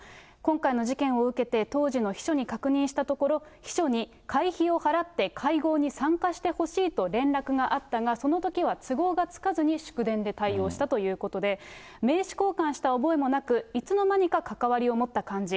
今回の事件を受けて、当時の秘書に確認したところ、秘書に会費を払って会合に参加してほしいと連絡があったが、そのときは都合がつかずに祝電で対応したということで、名刺交換した覚えもなく、いつのまにか関わりを持った感じ。